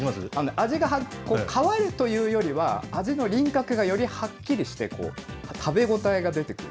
味が変わるというよりは、味の輪郭がよりはっきりしてこう、食べ応えが出てくる。